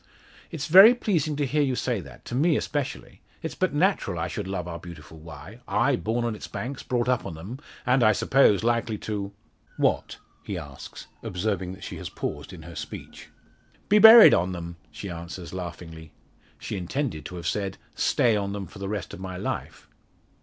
"It's very pleasing to hear you say that to me especially. It's but natural I should love our beautiful Wye I, born on its banks, brought up on them, and, I suppose, likely to " "What?" he asks, observing that she has paused in her speech. "Be buried on them!" she answers, laughingly. She intended to have said "Stay on them for the rest of my life."